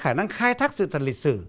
khả năng khai thác sự thật lịch sử